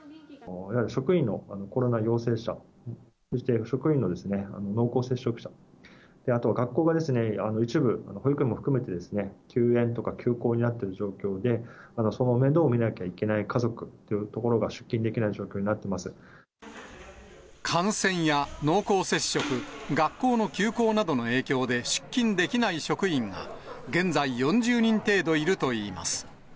職員のコロナ陽性者、そして職員の濃厚接触者、あとは学校がですね、一部、保育園も含めて、休園とか休校になっている状況で、その面倒を見なきゃいけない家族というところが、出勤できない状感染や濃厚接触、学校休校などの影響で、出勤できない職員が、現在４０人程度いるといいます。